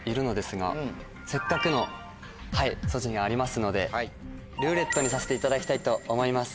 せっかくのありますので「ルーレット」にさせていただきたいと思います。